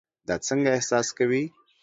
دا څنګه احساس کوي؟